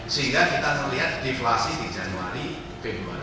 sehingga kita melihat deflasi di januari februari